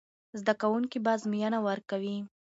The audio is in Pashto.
زده کوونکي به ازموینه ورکوي.